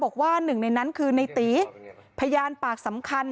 บอกว่าหนึ่งในนั้นคือในตีพยานปากสำคัญ